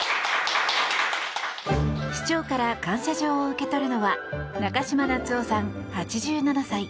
市長から感謝状を受け取るのは中嶋夏男さん、８７歳。